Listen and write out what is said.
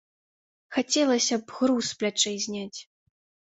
Хацелася б груз з плячэй зняць.